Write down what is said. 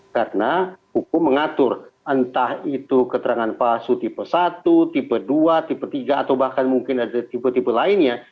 karena hukum mengatur entah itu keterangan palsu tipe satu tipe dua tipe tiga atau bahkan mungkin ada tipe tipe lainnya